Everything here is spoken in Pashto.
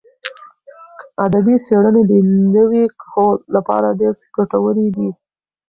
ادبي څېړنې د نوي کهول لپاره ډېرې ګټورې دي.